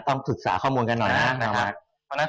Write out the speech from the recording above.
ต้องศึกษาข้อมูลกันหน่อยนะครับ